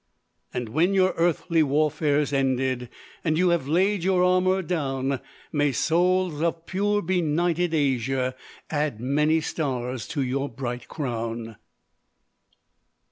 And when your earthly warfare's ended, And you have laid your armor down, May souls of poor benighted Asia Add many stars to your bright crown.